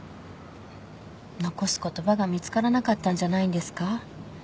残す言葉が見つからなかったんじゃないんですか？